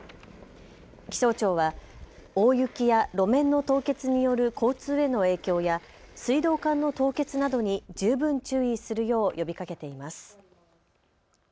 気象庁は大雪や路面の凍結による交通への影響や水道管の凍結などに十分注意するよう呼びかけています。